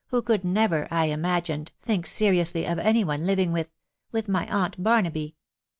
. who could never, I imagined, think seriously of any one living with .... with my aunt Barnaby.